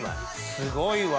すごいわ。